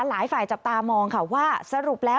หลายฝ่ายจับตามองค่ะว่าสรุปแล้ว